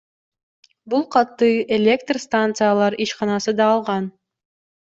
Бул катты Электр станциялар ишканасы да алган.